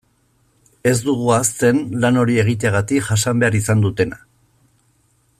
Ez dugu ahazten lan hori egiteagatik jasan behar izan dutena.